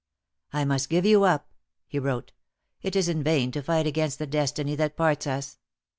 "I must give you up," he wrote. It is in vain to fight against the destiny that parts us.